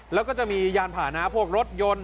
แล้วก็จะมียานผ่านะพวกรถยนต์